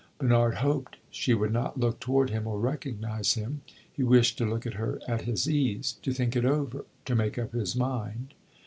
Bernard hoped she would not look toward him or recognize him; he wished to look at her at his ease; to think it over; to make up his mind.